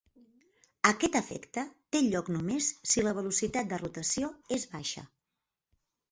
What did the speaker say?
Aquest efecte té lloc només si la velocitat de rotació és baixa.